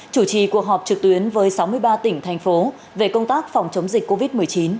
chủ trì cuộc họp trực tuyến với sáu mươi ba tỉnh thành phố về công tác phòng chống dịch covid một mươi chín